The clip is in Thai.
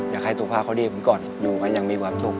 อยากให้สุขภาพเขาดีผมก่อนอยู่กันอย่างมีความสุข